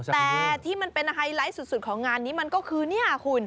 แต่ที่มันเป็นไฮไลท์สุดของงานนี้มันก็คือเนี่ยคุณ